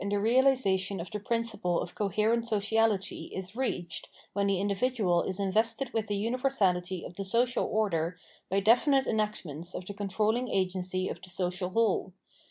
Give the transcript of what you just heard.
the realisation, of the principle of coherent sociality is reached when the individual is invested with the universality of the social order by definite enactments of the controlling agency of the social whole.